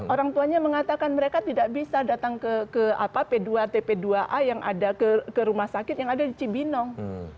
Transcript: orang tuanya mengatakan mereka tidak bisa datang ke p dua tp dua a yang ada ke rumah sakit yang ada di cibinong